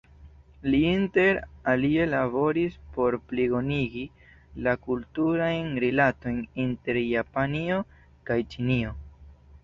Li inter alie laboris por plibonigi la kulturajn rilatojn inter Japanio kaj Ĉinio.